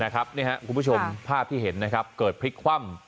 คุณผู้ชมภาพที่เห็นเกิดพลิกคว่ำ